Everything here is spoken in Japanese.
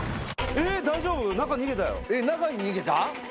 えっ中に逃げた？